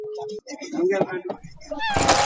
Omukulu w'essomero tannyoma muntu .